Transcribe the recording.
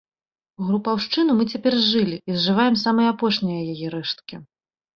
Групаўшчыну мы цяпер зжылі і зжываем самыя апошнія яе рэшткі.